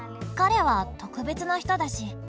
彼は特別な人だし。